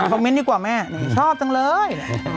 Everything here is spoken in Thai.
เมนต์ดีกว่าแม่ชอบจังเลย